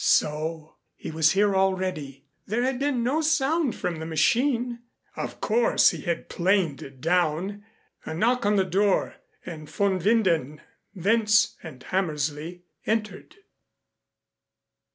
So. He was here already. There had been no sound from the machine. Of course, he had planed down. A knock on the door and von Winden, Wentz and Hammersley entered.